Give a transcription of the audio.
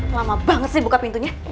lama banget sih buka pintunya